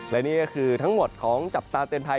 และนี่ก็คือทั้งหมดของจับตาเตือนภัย